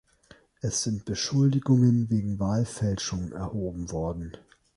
Es sind Beschuldigungen wegen Wahlfälschung erhoben worden.